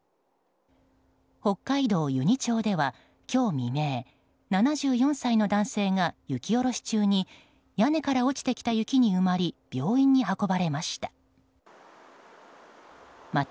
北海道由仁町では今日未明７４歳の男性が雪下ろし中に屋根から落ちてきた雪に埋まり病院に運ばれました。